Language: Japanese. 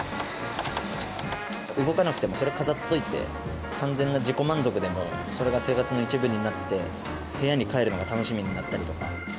動かなくても、それを飾っといて、完全な自己満足でも、それが生活の一部になって、部屋に帰るのが楽しみになったりとか。